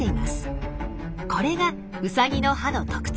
これがウサギの歯の特徴。